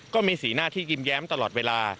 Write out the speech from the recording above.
ก็มีสีหน้าที่ยิ้มแย้มตลอดเวลา